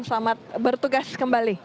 selamat bertugas kembali